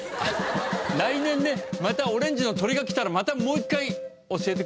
来年ねまたオレンジの鳥が来たらまたもう一回教えてくれる？